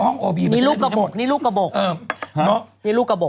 นี่คลุกกระบบ